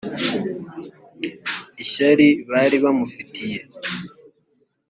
ishyari bari bamufitiye